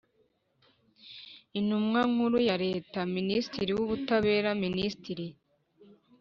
Intumwa Nkuru ya Leta Minisitiri w Ubutabera Minisitiri